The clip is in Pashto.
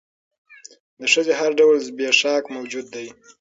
د ښځې هر ډول زبېښاک موجود دى.